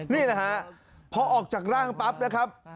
เสียงในห่วงปอดทันมากน้ำไหร่แล้วนะครับ